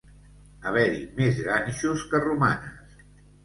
Haver-hi més ganxos que romanes.